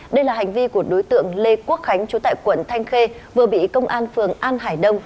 đây là hành vi của đối tượng lê quốc khánh chú tại quận thanh khê vừa bị công an phường an hải đông